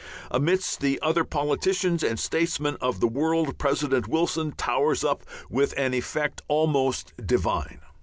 Amidst the other politicians and statesmen of the world President Wilson towers up with an effect almost divine.